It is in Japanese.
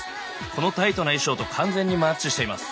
このタイトな衣装と完全にマッチしています。